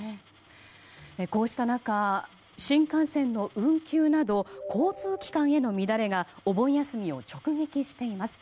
こうした中新幹線の運休など交通機関の乱れがお盆休みを直撃しています。